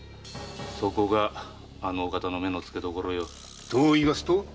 そこがあのお方の目のつけどころよ。といいますと？